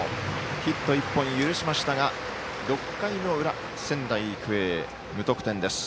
ヒット１本、許しましたが６回の裏、仙台育英、無得点です。